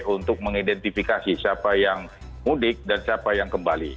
untuk mengidentifikasi siapa yang mudik dan siapa yang kembali